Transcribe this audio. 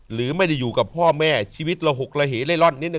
หรือไม่ได้อยู่กับพ่อแม่ชีวิตระหกระเหล่ร่อนนิดน